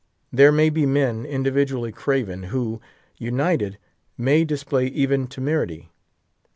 There may be men, individually craven, who, united, may display even temerity.